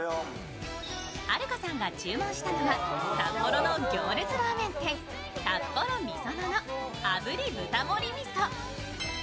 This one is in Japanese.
はるかさんが注文したのは札幌の行列ラーメン店札幌みそのの炙り豚盛り味噌。